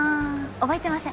覚えてません。